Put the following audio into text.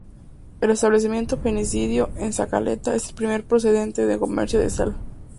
El establecimiento fenicio en sa Caleta es el primer precedente de comercio de sal.